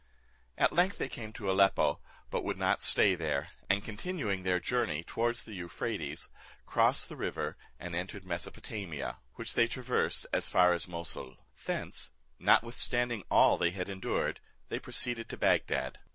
At length they came to Aleppo, but would not stay there, and continuing their journey towards the Euphrates, crossed the river, and entered Mesopotamia, which they traversed as far as Moussoul. Thence, notwithstanding all they had endured, they proceeded to Bagdad.